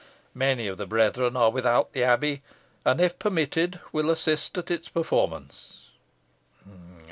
Many of the brethren are without the abbey, and, if permitted, will assist at its performance."